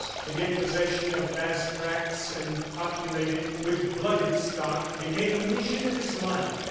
To get possession of vast tracts and populate it with blooded stock became the mission of his life.